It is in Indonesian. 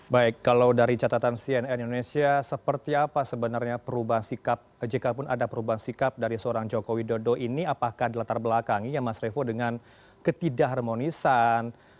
baik kalau dari catatan cnn indonesia seperti apa sebenarnya perubahan sikap jika pun ada perubahan sikap dari seorang jokowi dodo ini apakah di latar belakangnya mas revo dengan ketidak harmonisan